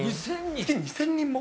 月２０００人も？